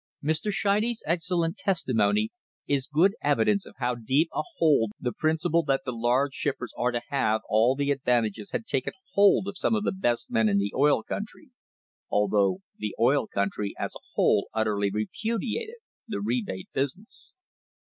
Mr. Scheide's excellent testimony is good evidence of how deep a hold the principle that the large shippers are to have all the advantages had taken hold of some of the best men in the oil country, although the oil country as a whole utterly repudiated the "rebate business."